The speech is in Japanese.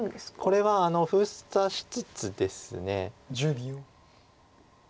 これは封鎖しつつですね。